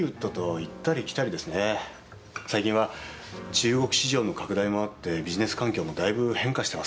最近は中国市場の拡大もあってビジネス環境もだいぶ変化してますから。